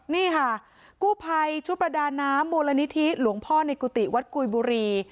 นี่ค่ะกู้ภัยชุดประดาน้ำมูลนิธิหลวงพ่อในกุฏิวัดกุยบุรี